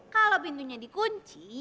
kalau pintunya dikunci